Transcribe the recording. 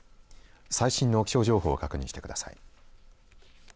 最新の気象情報を確認してください。